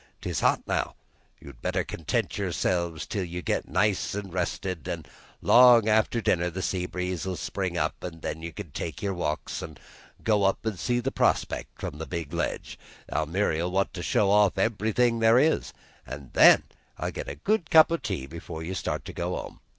'Tis hot now. You'd better content yourselves till you get nice an' rested, an' 'long after dinner the sea breeze 'll spring up, an' then you can take your walks, an' go up an' see the prospect from the big ledge. Almiry'll want to show off everything there is. Then I'll get you a good cup o' tea before you start to go home.